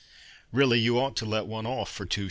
Really you ought to let one off for 2s.